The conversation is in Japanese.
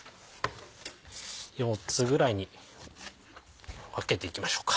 ４つぐらいに分けていきましょうか。